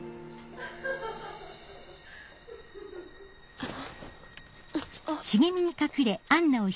あっ。